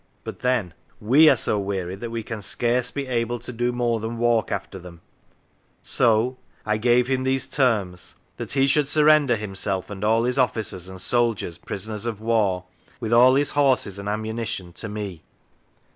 But then " we are so weary that we can scarce be able to do more than walk after them !" So" I gave him these terms: That he should surrender, himself and all his officers and soldiers prisoners of war, with all his horses and ammunition, to me."